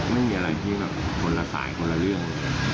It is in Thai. ไม่มีอะไรที่แบบคนละสายคนละเรื่อง